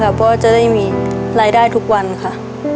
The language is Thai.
เพราะว่าจะได้มีรายได้ทุกวันค่ะ